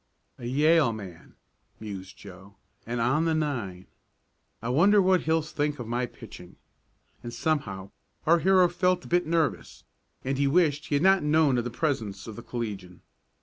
"A Yale man," mused Joe, "and on the nine. I wonder what he'll think of my pitching?" and, somehow, our hero felt a bit nervous, and he wished he had not known of the presence of the collegian.